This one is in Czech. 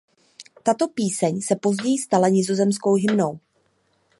Tato píseň se později stala nizozemskou hymnou.